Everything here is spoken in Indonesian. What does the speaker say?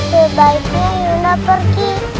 sebaiknya yunda pergi